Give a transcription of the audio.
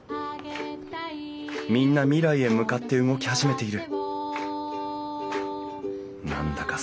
みんな未来へ向かって動き始めている。